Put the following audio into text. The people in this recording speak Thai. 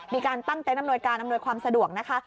มีการตั้งเต้นอำนวยการอำนวยความสะดวกนะคะ